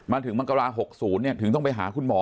ถึงมังกรา๖๐ถึงต้องไปหาคุณหมอ